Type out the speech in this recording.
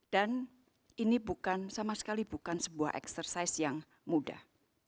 dan ini sama sekali bukan sebuah eksersis yang mudah